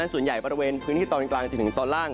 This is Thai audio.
ส่วนใหญ่บริเวณพื้นที่ตอนกลางจนถึงตอนล่าง